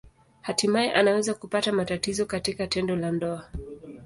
Hatimaye anaweza kupata matatizo katika tendo la ndoa.